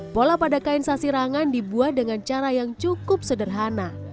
pola pada kain sasirangan dibuat dengan cara yang cukup sederhana